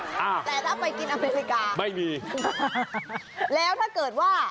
อ่าแต่ถ้าไปกินอเมริกาไม่มีแล้วถ้าเกิดว่า